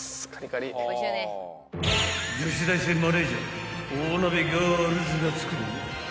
［女子大生マネージャー大鍋ガールズが作る］